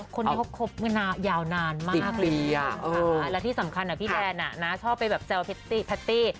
เขาครบเงินยาวนานมากเลยนะครับค่ะและที่สำคัญพี่แทนชอบไปแบบเจ้าพาตตี้